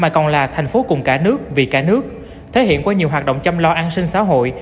cùng cả nước vì cả nước thể hiện qua nhiều hoạt động chăm lo an sinh xã hội